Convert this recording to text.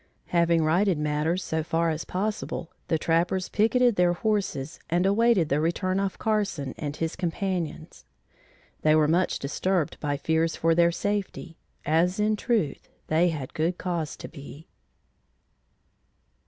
Having righted matters, so far as possible, the trappers picketed their horses and awaited the return of Carson and his companions. They were much disturbed by fears for their safety, as in truth they had good cause to be.